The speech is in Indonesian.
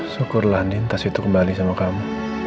syukurlah lintas itu kembali sama kamu